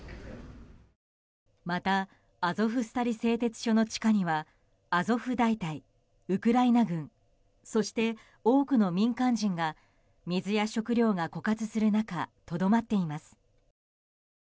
またアゾフスタリ製鉄所の地下にはアゾフ大隊、ウクライナ軍そして多くの民間人が水や食料が枯渇する中とどまっています。